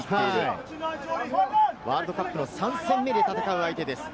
ワールドカップの３戦目で戦う相手です。